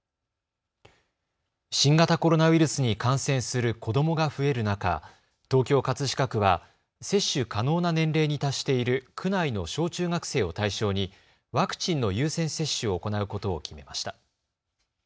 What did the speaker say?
新型コロナウイルスに感染する子どもが増える中、東京葛飾区は接種可能な年齢に達している区内の小中学生を対象にワクチンの優先接種を行うことを決めました。